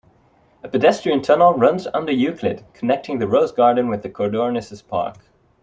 A pedestrian tunnel runs under Euclid, connecting the Rose Garden with Codornices Park.